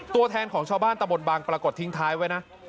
ตัวแทนของชาวบ้านตะบนบางปรากฏทิ้งท้ายไว้นะ